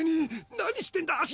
何してんだ足！